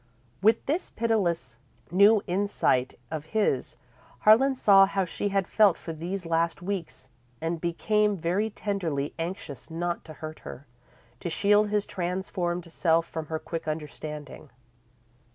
With this pitiless new insight of his, Harlan saw how she had felt for these last weeks and became very tenderly anxious not to hurt her; to shield his transformed self from her quick understanding.